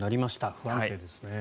不安定ですね。